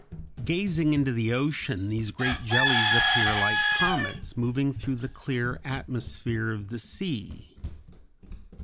Gazing into the ocean these great jellies appear like comets moving through the clear atmosphere of the sea.